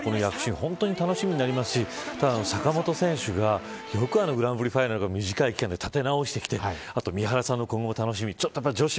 本当に楽しみになりますし坂本選手がよくグランプリファイナルの短い期間で立て直してきてあと三原さんの今後も楽しみ。